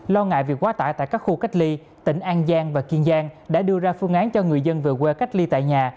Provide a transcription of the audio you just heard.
lo ngại việc quá tải tại các khu cách ly tỉnh an giang và kiên giang đã đưa ra phương án cho người dân về quê cách ly tại nhà